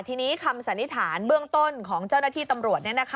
ทีนี้คำสันนิษฐานเบื้องต้นของเจ้าหน้าที่ตำรวจ